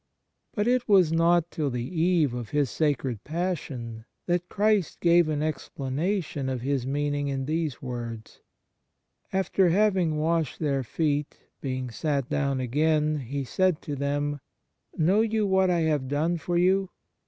But it was not till the eve of His sacred Passion that Christ gave an ex planation of His meaning in these words: " After having washed their feet ... being sat down again, He said to them: Know you what I have done to you